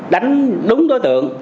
đánh đúng đối tượng